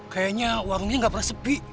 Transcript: kayaknya warungnya gak pernah sepi